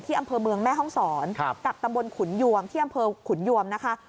อำเภอเมืองแม่ห้องศรกับตำบลขุนยวมที่อำเภอขุนยวมนะคะ